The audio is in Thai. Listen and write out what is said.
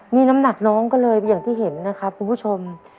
นี่น้ำหนักน้องก็เลยอย่างที่เห็นนะครับคุณผู้ชม